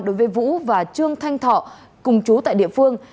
đối với vũ và trương thanh thọ cùng chú tại địa phương